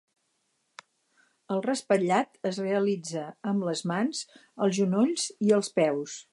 El raspallat es realitza amb les mans, els genolls i els peus.